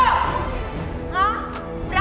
saya minta ampun pak